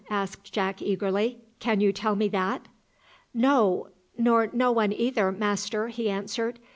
asked Jack eagerly; "can you tell me that?" "No; nor no one either, master," he answered.